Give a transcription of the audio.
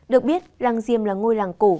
được biết làng diềm là ngôi làng cổ